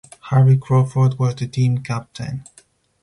Harry Crawford was the team captain.